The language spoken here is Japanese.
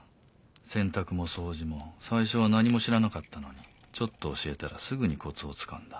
洗濯も掃除も最初は何も知らなかったのにちょっと教えたらすぐにコツをつかんだ。